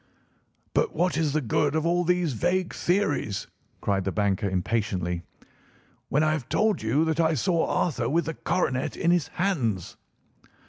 "But what is the good of all these vague theories," cried the banker impatiently, "when I have told you that I saw Arthur with the coronet in his hands?"